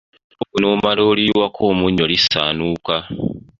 EKkovu n’omala oliyiwako omunnyo lisaanuuka.